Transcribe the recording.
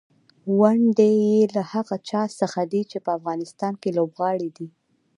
ونډې یې له هغه چا څخه دي چې په افغانستان کې لوبغاړي دي.